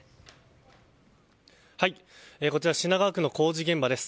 こちら、品川区の工事現場です。